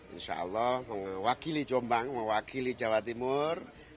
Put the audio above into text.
insyaallah mewakili jawa timur